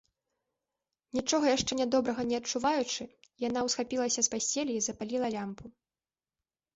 Нічога яшчэ нядобрага не адчуваючы, яна ўсхапілася з пасцелі і запаліла лямпу.